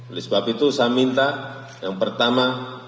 oleh sebab itu saya minta yang pertama